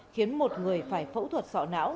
khiến một người phải phẫu thuật sọ não